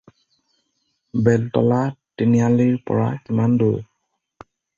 বেলতলা তিনিআলিৰ পৰা কিমান দূৰ?